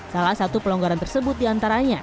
salah satu pelonggaran tersebut diantaranya